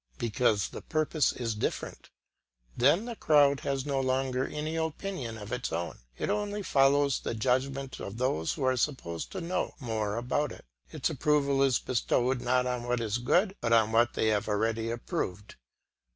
Because the purpose is different. Then the crowd has no longer any opinion of its own, it only follows the judgment of those who are supposed to know more about it; its approval is bestowed not on what is good, but on what they have already approved.